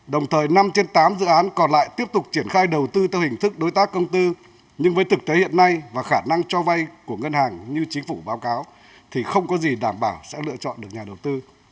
đồng thời năm trên tám dự án còn lại tiếp tục triển khai đầu tư theo hình thức đối tác công tư nhưng với thực tế hiện nay và khả năng cho vay của ngân hàng như chính phủ báo cáo thì không có gì đảm bảo sẽ lựa chọn được nhà đầu tư